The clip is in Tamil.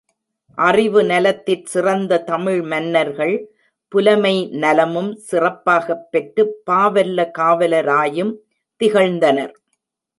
அறிவு நலத்திற் சிறந்த தமிழ் மன்னர்கள் புலமை நலமும் சிறப்பாகப் பெற்றுப் பாவல்ல காவலராயும் திகழ்ந்தனர்.